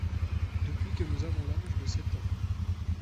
Depuis que nous avons l’âge de sept ans.